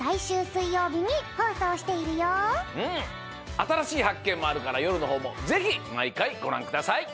あたらしいはっけんもあるからよるのほうもぜひまいかいごらんください！